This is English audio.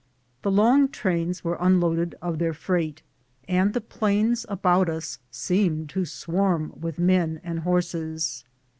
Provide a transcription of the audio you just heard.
The long trains were unloaded of their freight, and the plains about us seemed to swarm with men and horses.